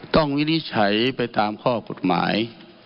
วินิจฉัยไปตามข้อกฎหมาย